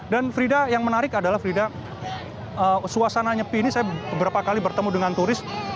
dan frida yang menarik adalah frida suasananya ini saya beberapa kali bertemu dengan turis